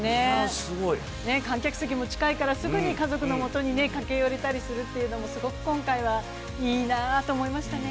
観客席も近いからすぐ家族のもとへも駆けつけられるっていうのもすごく今回はいいなと思いましたね。